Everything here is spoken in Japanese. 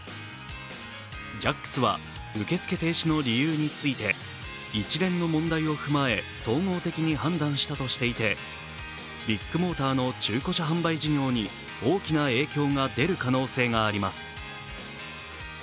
ジャックスは受付停止の理由について、一連の問題を踏まえ総合的に判断したとしていてビッグモーターの中古車販売事業に大きな影響が出る可能性があります。